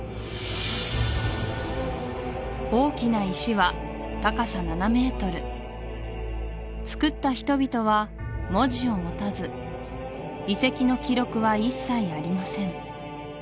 大きな石は高さ７メートルつくった人々は文字を持たず遺跡の記録は一切ありません